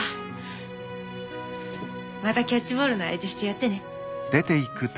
またキャッチボールの相手してやってね。